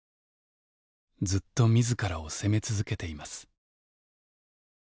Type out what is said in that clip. ずっと自らを責め続けています。